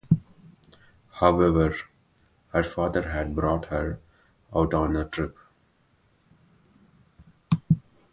However, her father had brought her out on a trip.